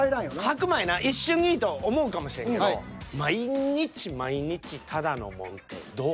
白米な一瞬いいと思うかもしれんけど毎日毎日タダのもんってどう？